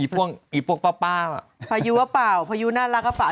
พ่วงป้าพายุหรอเปล่าพายุน่ารักหรอเปล่า